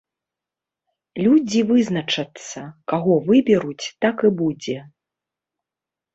Людзі вызначацца, каго выберуць, так і будзе.